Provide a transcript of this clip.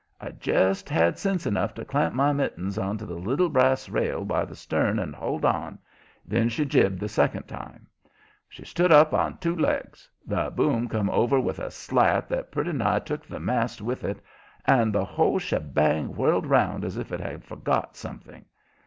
I jest had sense enough to clamp my mittens onto the little brass rail by the stern and hold on; then she jibed the second time. She stood up on two legs, the boom come over with a slat that pretty nigh took the mast with it, and the whole shebang whirled around as if it had forgot something.